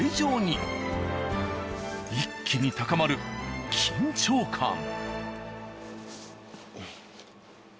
一気に高まる緊張感。